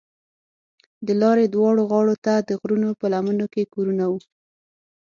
د لارې دواړو غاړو ته د غرونو په لمنو کې کورونه وو.